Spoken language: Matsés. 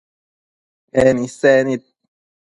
En isec nid